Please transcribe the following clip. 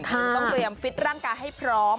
คุณต้องเตรียมฟิตร่างกายให้พร้อม